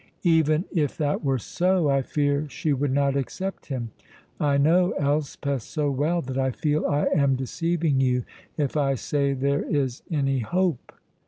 "Even if that were so, I fear she would not accept him. I know Elspeth so well that I feel I am deceiving you if I say there is any hope."